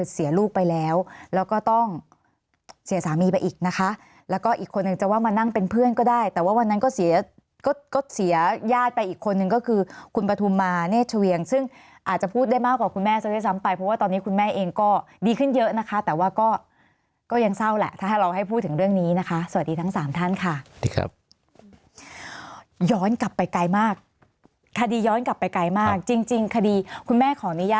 เสียสามีไปอีกนะคะแล้วก็อีกคนนึงจะว่ามานั่งเป็นเพื่อนก็ได้แต่ว่าวันนั้นก็เสียก็เสียญาติไปอีกคนนึงก็คือคุณปฐุมาเนทเฉวียงซึ่งอาจจะพูดได้มากกว่าคุณแม่ซะทีซ้ำไปเพราะว่าตอนนี้คุณแม่เองก็ดีขึ้นเยอะนะคะแต่ว่าก็ก็ยังเศร้าแหละถ้าเราให้พูดถึงเรื่องนี้นะคะสวัสดีทั้งสามท่านค่ะสวัสดีครั